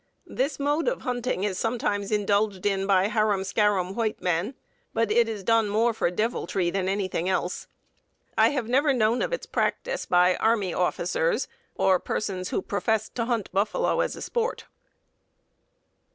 This mode of hunting is sometimes indulged in by harum scarum white men, but it is done more for deviltry than anything else. I have never known of its practice by army officers or persons who professed to hunt buffalo as a sport."